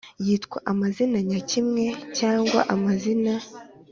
yitwa amazina nyakimwe cyangwa amazina